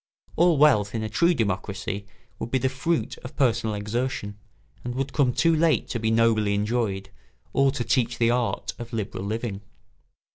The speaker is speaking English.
All wealth in a true democracy would be the fruit of personal exertion and would come too late to be nobly enjoyed or to teach the art of liberal living.